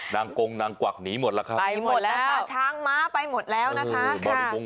กงนางกวักหนีหมดแล้วครับไปหมดแล้วค่ะช้างม้าไปหมดแล้วนะคะ